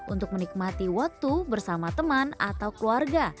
untuk menikmati waktu bersama teman atau keluarga